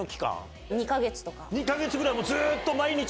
２か月ぐらいずっと毎日。